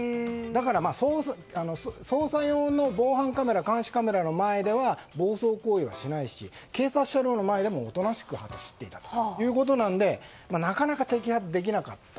だから、捜査用の防犯カメラ、監視カメラの前では暴走行為はしないし警察車両の前ではおとなしく走っていたということなのでなかなか摘発できなかった。